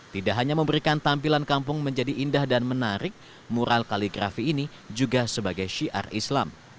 tidak hanya memberikan tampilan kampung menjadi indah dan menarik mural kaligrafi ini juga sebagai syiar islam